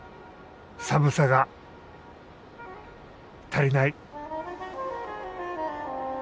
寒さが足りない。